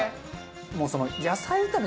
もうその。